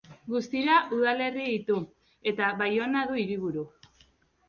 Guztira udalerri ditu, eta Baiona du hiriburu.